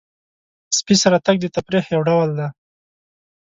سپي سره تګ د تفریح یو ډول دی.